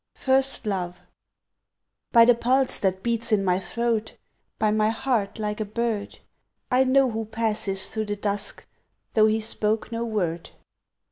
First Love BY the pulse that beats in my throat By my heart like a bird I know who passed through the dusk Though he spoke no word!